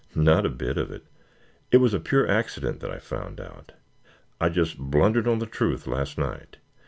Not a bit of it! It was a pure accident that I found out. I just blundered on the truth last night.